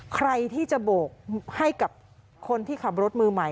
ใครที่จะโบกให้กับคนที่ขับรถมือใหม่